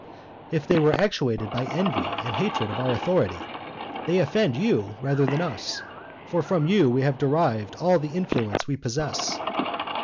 If they were actuated by envy and hatred of our authority, they offend you rather than us; for from you we have derived all the influence we possess.